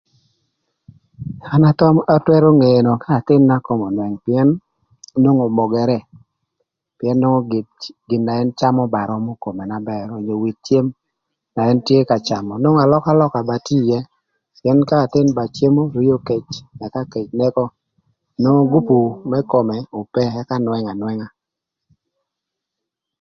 An atwërö ngeno ka athïn-na kome önwëng pïën nwongo omogere, pïën nwongo gin na ën camö ba römö kome na bër onyo with cëm na ën tye ka camö nwongo alökalöka ba tye ïë pïën ka athïn ba cemo rio kec ëka kec neko nwongo gupu më kome ope ëka nwëng anwënga.